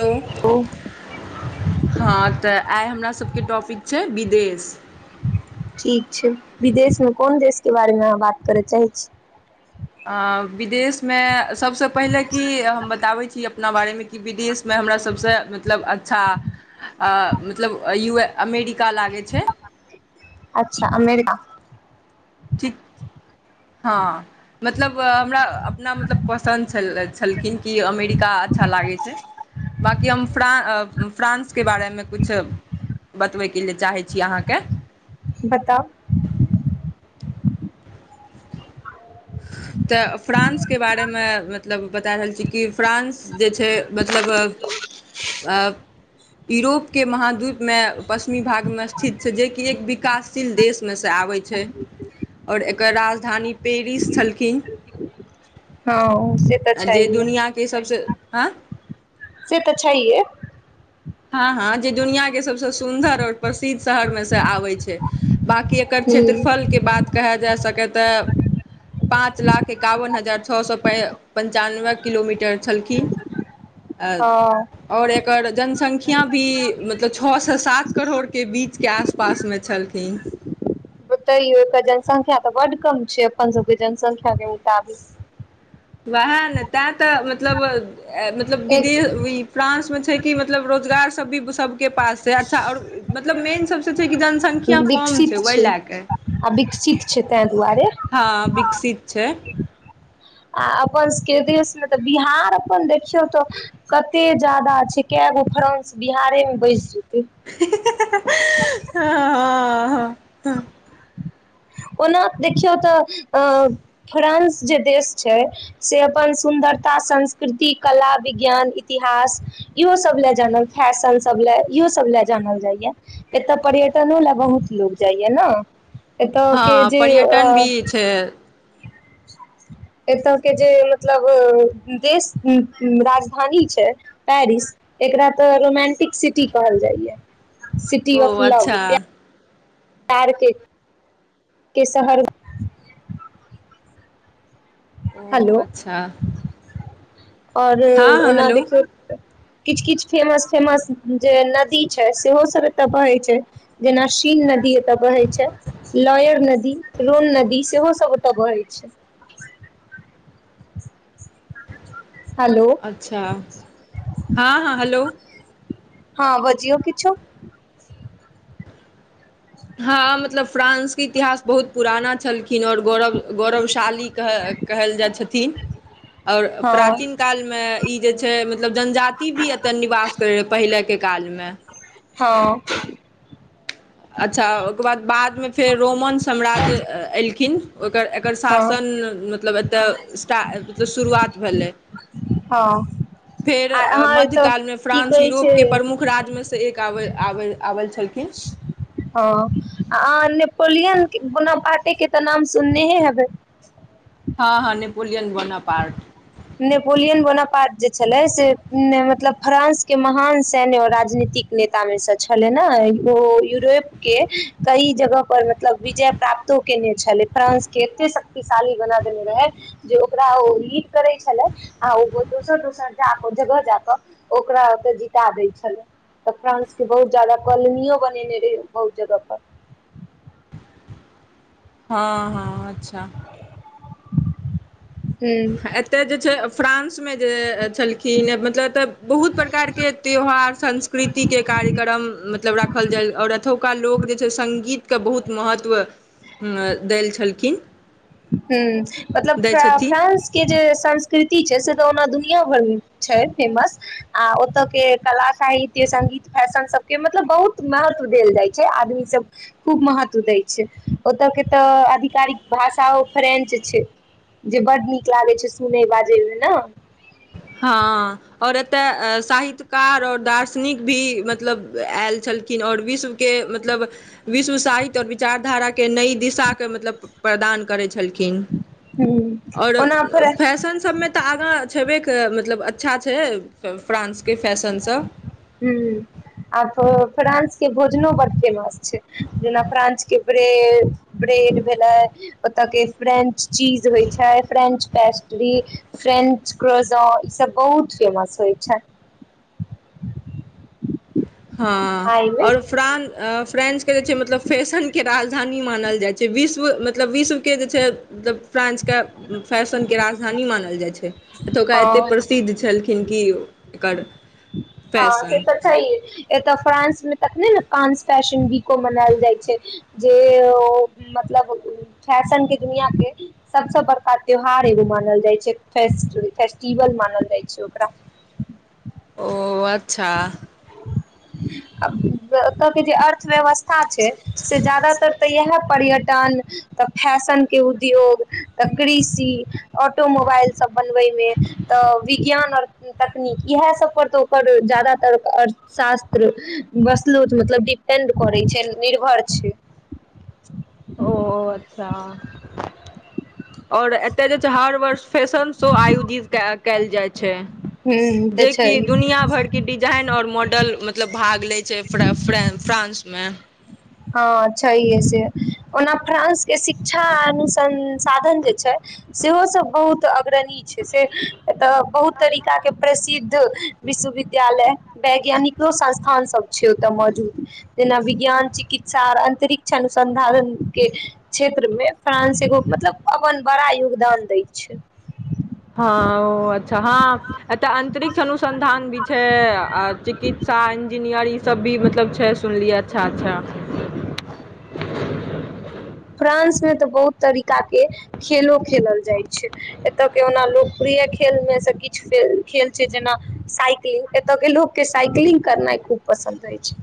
hello ओ हँ तऽ आइ हमरा सबके टॉपिक छै विदेश ठीक छै विदेशमे कोन देशके बारेमे अहाँ बात करय चाहै छी विदेशमे सभ से पहिले की हम ब बताबै छी अपना बारे मे कि विदेश मे हमरा सभ से मतलब अच्छा मतलब यू ए अमेरिका लागै छै अच्छा अमेरिका ठीक हँ मतलब हमरा अपना मतलब पसन्द छलखिन कि अमेरिका अच्छा लागै छै बांकि हम फ्रा फ्रान्स के बारेमे कुछ बतबयके लेलए चाहै छी अहाँके बताउ तऽ फ्रांसके बारेमे मतलब बता रहल छी कि फ्रान्स जे छै मतलब अब यूरोप के महाद्वीपमे पश्चिमी भागमे स्थित छै जेकि एक विकासशील देशमे से आ आबै छै और एकर राजधानी पेरिस छलखिन हँ से तऽ जे छैहे दुनिआँके सभसँ आँय से तऽ छैये हँ हँ जे दुनियांकें सभसँ सुन्दर आओर प्रसिद्ध शहरमे सँ आबैत छै बाँकी एकर हूँ क्षेत्रफलके बात कहल जा सकय तऽ पाँच लाख एकावन हजार छओ सए प पञ्चानबे किलोमीटर छलखिन ऐ हँ आओर एकर जनसं ख्यां भी मतलब छह से सात करोड़के बीचके आसपासमे छलखिन बतइयो ओकर जनसंख्या तऽ बड कम छै अपन सबके जनसंख्या के मुताबी वएह ने तैं तऽ मतलब ए मतलब एक विदेह फ्रांसमे छै कि मतलब रोजगार सब भी सबके पास छैै अच्छा आओर मतलब मेन सबसँ छै कि जनसंख्या कम छै ओहि लए कए आ विकसित छै ताहि दुआरे हँ विकसित छै आ अपन सभके देशमे तऽ बिहार अपन देखियौ तऽ कते ज्यादा छै कै एगो फ्रान्स बिहारेमे बैस जेतै हँ हँ ओना देखियौ तऽ फ्रांस जे देश छै से अपन सुन्द एतअ संस्कृति कला विज्ञान इतिहास इहो सब लए जानल फैशन सब लए इहो सब ले जानल जाइया एतय पर्यटनो ले बहुत लोग जाइया न हँ पर्यटन भी छै एतऽ के जे मतलब देश राजधानी छै पेरिस एकरा तऽ रोमांटिक सिटी कहल जाइया सिटी ओ ऑफ लाभ अच्छा प्या आर के शहर ओ अच्छा आओरो हँ हँ ओना हेलो देखियौ त किछु किछु फेमस फेमस जे नदी छै सेहो सब एतऽ बहै छै जेना स चीन नदी ओतअ बहै छै लॉयर नदी रोन नदी सेहो सब ओतअ बहै छै [inaudible] हेलो अच्छा हँ हँ हेलो हँ बजियौ किछो हँ मतलब फ्रांस के इतिहास बहुत पुराना छल किनओर गौरव गौरवशाली कह कहल जाइत छथिन आओर हँ प्राचीन कालमे ई जे छै मतलब जनजति भी एतय निवाश करय रहय पहिलेके कालमे हँ अच्छा ओकर बाद बादमे फेर रोमन साम्राज्य एलखिन ओकर एकर हँ शासन मतलब एतय एसटाट शुरुआत भेलै हँ फेर आ अहाँ एतऽ मध्यकाल मे की फ्रांस कहै यूरोप छै के प्रमुख राज्यमे से एक आबै आबै आबै छलखिन हँ अहाँ नेपोलियन बोनापार्टे के तऽ नाम सुनने हेबै हँ हँ नेपोलियन बोनापार्ट नेपोलियन बोनापार्ट जे छलै से मतलब फ्रांस के महान सैन्य आ राजनीत तिकनेता मे से छलै ने ओ यूरोप के कई जगह पर मतलब विजय प्राप्त केने छलै फ्रानंस के एते शक्तिशाली बना देने रहै जे ओकरा ओ लि करै छले आ ओ दोसर दोसर जाक जगह जाकऽ ओकरा ओतह जीता दै छलै तऽ फ्रांस के बहुत ज्यादा कॉलोनियो बनेने रहे बहुत जगह पर [inaudible] हँ हँ अच्छा हूँ एतय जे छै फ्रांस फ्रांस मे जे छलखिन मतलब एतय बहुत प्रकार के त्यौहार संस्कृति के कार्यक्रम मतलब राखल जाय ओर एतुका लोक जे छै सङ्गीतके बहुत महत्व देल छलखिन ह्म मतलब दै फ्रां छथिन फ्रांस के जे संस्कृति छै से तऽ ओना दुनिया भरमे छै फेमस आ ओतय के कला साहित्य संगीत फैशन सब के मतलब बहुत महत्व देल जाय छै आदमी सब खूब महत्व दे ओतऽ के तऽ आधिकारिक भाषा ओ फ्रेंच छै जे बड्ड नीक लागै छै सुनय बाजै मे ने हँ आओर एतय साहित्यकार आओर दार्शनिक भी मतलब आयल छल खिन ओर विश्व के मतलब विश्व साहित्य और विचारधारा के नई दिशा के मतलब प्रदान करै छै छलखिन ह और ओना फेर फैशन सभमे तऽ आगा छबे मतलब अच्छा छै फ्रांस ह्म आ तऽ फ्रान्सके भोजनो बड्ड फेमस छै जेना फ्रानंचके ब्रेभ ब्रेड भेलै ओतय के फ्रेंच चीज होइ छै फ्रेंच पेस्ट्री फ्रेंच क्रोजोन ई सब बहुत फेमस होइ छै हाँ खाय मे आओर फ्रान फ्रैंच के जे छै मतलब फैशन के राज धानी मानल जाइ छै विश्व मतलब विश्व के जे छै मतलब फ्रांस के फैशन के राजधानी नहि मानल जाइ छै एतौका हँ एते प्रसिद्ध छलखिन की ओकर हँ से तऽ छै हे एतऽ फ्रांसमे तखने ने फ्रांस फैशन वीको मनायल जाइ छै जे ओ मत मतलब फैशन के दुनिया के सबसे बड़का त्यौहार एगो मानल जाय छै फेस्ट फेस्टिवल मानल जाइ छै ओकरा ओ अच्छा आब एतऽ के जे अर्थव्यवस्था छै से जादातर तऽ इएहै पर्यटन तऽ फैशनके उद्योग तऽ कृषि ऑटो मोबाइल सब बनबै मे तऽ विज्ञान और तकनीक इएह सब पर तऽओ पर जादातर अर्थशास्त्र बसलुथ तऽ मतलब डिपेंड करै छै निर्भर छै ओ अच्छा और एतय जे छै हर वर्ष फैशन शो आयोजित कएल जाइ छै ह तऽ जेकि छै दुनिया भरिके डिजाइन और मॉडल मतलब भाग लै छै फ्र फ्रै फ्रांसमे हँ छैेहे से ओना फ्रांस के शिक्षा अनुसंसाधन जे छै सेहो सब बहुत अग्रणी छै से एतऽ बहुत तरीका के प्रसिद्ध विश्वविद्यालय वैज्ञानिको संस्थान सब छै ओतय मौजूद जेना विज्ञान चि कित्सा और अंतरिक्ष अनुसन्धान के क्षेत्र में फ्रांस एगो मतलब अपन बड़ा योगदान दै छै हँ ओ अच्छा हँ अतऽ अंतरिक्ष अनुसन्धान भी छै आ चिकित्स सा इंजनीयर सब भी मतलब छै सुनलियै अच्छा अच्छा फ्रांसमे तऽ बहुत तरीका के खेलो खेलल जाइ छै एतय के ओना लोकप्रिय खेलमे से किछ खेल छै जेना साइकिलिंग एतय के लोक के साइकिलिंग करनाइ खूब पसन्द अछि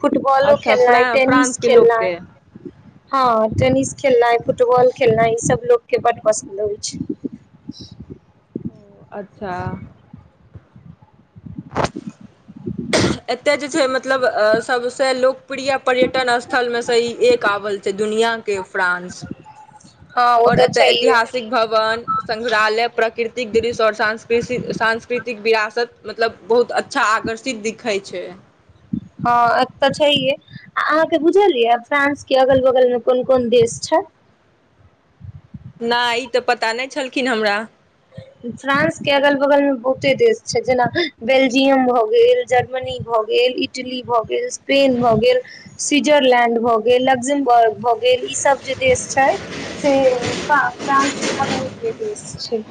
फुटबॉलो अच्छा फ्रा खेलनाइ टेनिस फ्रांस के खेलनाइ लोकके हँ टेनिस खेलनाइ फुटबॉल खेलनाइ ईसभ लोकके बड्ड पसन्द अबइ छै [inaudible] अच्छा [unintelligible] एतय जे छै मतलब सभसँ लोकप्रिय पर्यटन स्थलमे सँ ई एक आबय छै दुनिआँ के फ्रान्स हँ ओ और तऽ एत्त छैहे ऐतिहासिक भवन संग्रहालय प्राकृतिक दृश्य आओर सांस्कृति सांस्कृतिक तिक विरासत मतलब बहुत अच्छा आकर्षित दिखै छै हँ एक तऽ छैहे आ अहाँके बुझलियै फ्रांस के अगल बगल मे कोन कोन देश छै ह नहि ई तऽ पता नहि छलखिन हमरा फ्रांस के अगल बगलमे बहुते देश छै जेना बेल्जियम भए गेल जर्मनी भऽ गेल गेल इटली भऽ गेल स्पेन भऽ गेल स्विट्जरलैंड भए गेल लक्जमबर्ग भए गेल ई सब जे देश छै से फ्रान्स अवैद्य देश छै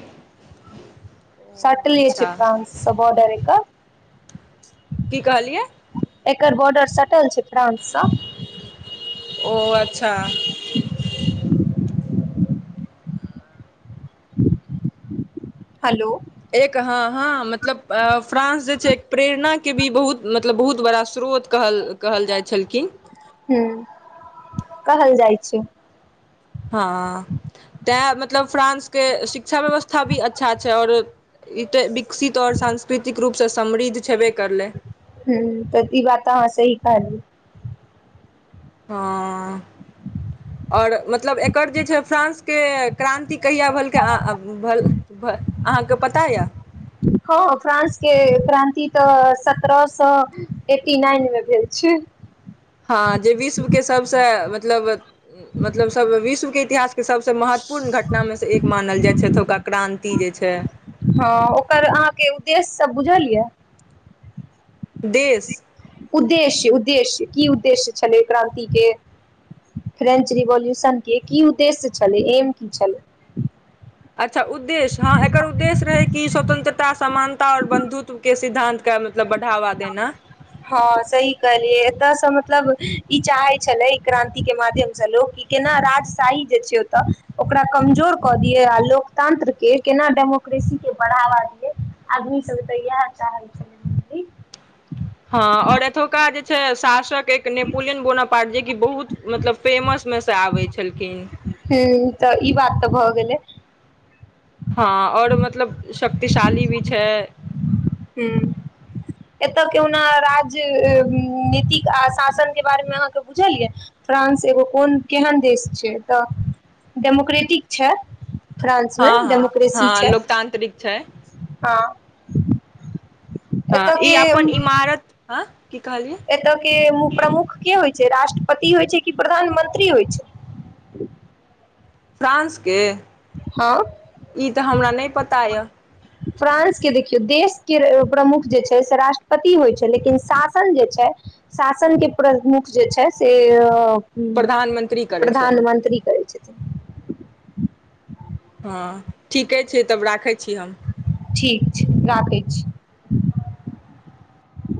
ओ सटले छै अच्छा फ्रान्स बॉर्डर एकर की कहलियै एकर बॉर्डर सटल छै फ्रांससँ ओ अच्छा हेलो एक हँ हँ मतलब फ्रांस जे छै एक प्रेरणा के भी बहुत मतलब बहुत बड़ा श्रोत कहल कहल जाइ छलखिन हं कहल जाइ छै हँ तैं मतलब फ्रानंस के शि क्षा व्यवस्था भी अच्छा छै और विकसित और सांस्कृतिक रूप से समृद्ध छेबे करलै हं तब ई बात अहाँ सही कहलियै हं आओर मतलब एकर जे छै फ्रांसके क्रान्तिक कहिया भलकै भल भल अहाँके पता यऽ हँ फ्रांस के क्रान्ति तऽ सत्ररह सए एटी नाइनमे भेल छै [inaudible] हँ जे विश्वके सभसँ मतलब मतलब सब विश्वके इतिहास सबसँ महत्वपूर्ण घटनामे से एक मानल जाइ छै एतुका क्रान्ति जे छै हँ ओकर अहाँके उद्देश्यसभ बुझल यए देश उद्देश्य उद्देश्य की उद्देश्य छलै क्रान्तिके फ्रेंच रिवोल्यूशन के की उद्देश्य छलै एम की छलै अच्छा उद्देश्य हँ एकर उद्देश्य रहै कि स्वतंत्रता समानता आओर बन्धुत्वके सिद्धानंतके मतलब बढ़ावा देना हँ सही कहलियै एतयसँ मतलब ई चाहे छले क्रान्ति के माध्यम से लोक केना राजशाही जे छै ओतऽ ओकरा कमजोर कऽ दियै आ लोकतांत्र के केना डेम के बढ़ावा दिय आदमी सब त इएह चाहय छथि [unintelligible] हँ आओर एतुका जे छै शासक एक नेपोलियन बोना पाट जेकि बहुत मतलब फेमसमे सँ आबै छलखिन हू तऽ ई बात तऽ भऽ गेलै हँ आओर मतलब शक्तिशाली भी छै हू एतय केहुना राज्य नीतिक आ शासन के बारेमे अहाँके बुझलियै फ्रांस फ्रांस एगो कोन केहन देश छै तऽ डेमोक्रेटिक छै फ्रांसमे हँ हँ डेमोक्रेसी हँ छै लोकतांत्रिक छै ह हँ ई अपन इमारत ह एतऽ के मु प्रमुख की होइ जे राष्ट्रपति होइ छै कि प्रधानमंत्री होइ छै फ्रांसके हँ ई तऽ हमरा नहि पता यए फ्रांस के देखियौ देश के प्रमुख जे छै से राष्ट्रपति होइ छै लेकिन शासन जे छै शासन के प्रमुख जे छै से ह प्रधानमंत्री करै छै प्रधानमंत्री करै छथिन हँ ठीके छै तब राखै छी हम ठीक छै राखै छी